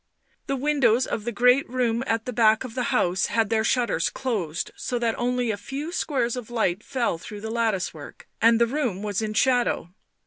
The windows of the great room at the back of the house had their shutters closed so that only a few squares of light fell through the lattice work, and the room was in shadow.